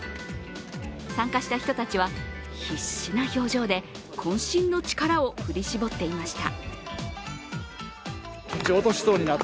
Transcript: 参加した人たちは必死な表情でこん身の力を振り絞っていました。